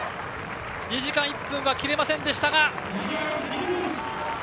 ２時間１分は切れませんでしたが